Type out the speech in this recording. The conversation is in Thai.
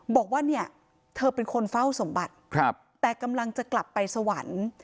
บอกว่าเนี่ยเธอเป็นคนเฝ้าสมบัติแต่กำลังจะกลับไปสวรรค์